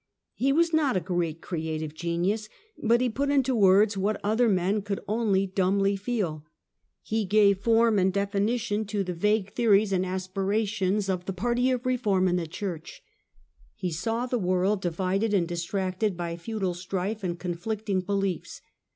He was not a great creative genius, but he put into words what other men could only dumbly feel, he gave form and definition to the vague theories and THE WAR OP INVESTITURE 89 aspirations of the party of reform in the Church (see chap. iv.). He saw the world divided and distracted by feudal strife and conflicting beliefs.